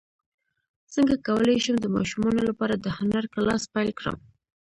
څنګه کولی شم د ماشومانو لپاره د هنر کلاس پیل کړم